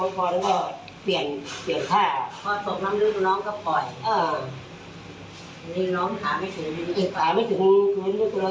พ่อปี้ยงข้าว